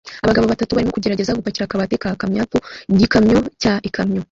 Abagabo batatu barimo kugerageza gupakira akabati ka ikamyoku gikamyo cya Ikamyo